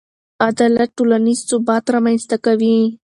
عدالت ټولنیز ثبات رامنځته کوي.